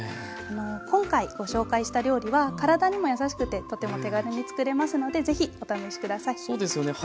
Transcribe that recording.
今回ご紹介した料理は体にも優しくてとても手軽に作れますので是非お試し下さい。